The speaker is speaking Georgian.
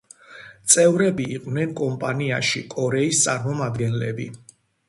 წევრები იყვნენ კომპანიაში კორეის წარმომადგენლები.